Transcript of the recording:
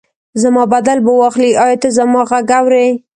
زما بدل به واخلي، ایا ته زما غږ اورې؟